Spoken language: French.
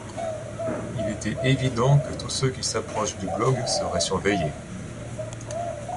Il était évident que tous ceux qui s'approchent du blog seraient surveillés.